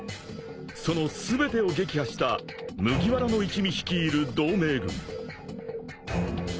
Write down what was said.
［その全てを撃破した麦わらの一味率いる同盟軍］